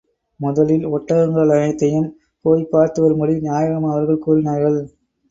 முதலில் ஒட்டகங்களனைத்தையும் போய்ப் பார்த்து வரும்படி நாயகம் அவர்கள் கூறினார்கள்.